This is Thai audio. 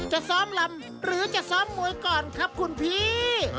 จะซ้อมลำหรือจะซ้อมมวยก่อนครับคุณพี่